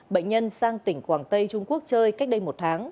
bệnh nhân sang tỉnh quảng tây trung quốc chơi cách đây một tháng